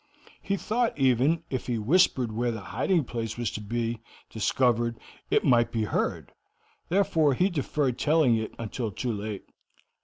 He thought, even, if he whispered where the hiding place was to be discovered it might be heard; therefore he deferred telling it until too late.